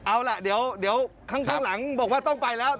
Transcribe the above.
เอาล่ะเดี๋ยวข้างหลังบอกว่าต้องไปแล้ว